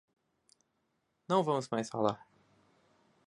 Não vamos mais falar.